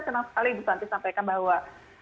senang sekali bu santi sampaikan bahwa